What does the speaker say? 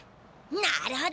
なるほど。